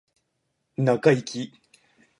中イキ